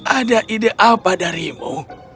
ada ide apa darimu